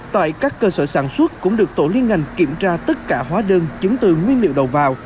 tại các cơ sở sản xuất cũng được tổ liên ngành kiểm tra tất cả hóa đơn chứng từ nguyên liệu đầu vào